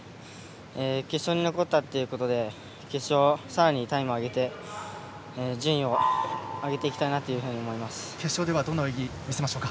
決勝に残ったということで決勝は、さらにタイムを上げて順位を上げていきたいなと決勝ではどんな泳ぎを見せましょうか。